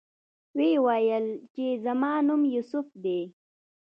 ویې ویل چې زما نوم یوسف دی.